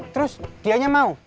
terus dianya mau